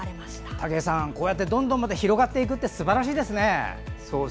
武井さん、こうやってまたどんどん広がっていくってすばらしいですね。